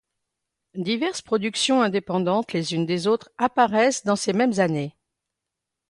Diverses productions indépendantes les unes des autres apparaissent dans ces mêmes années.